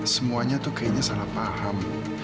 semuanya tuh kayaknya salah paham